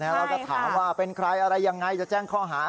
แต่เราก็ถามว่าเป็นใครอะไรอย่างไรจะแจ้งข้อหาอะไร